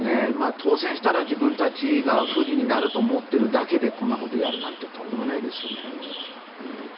当選したら自分たちが不利になると思っているだけでこんなことをやるなんてとんでもないですよね。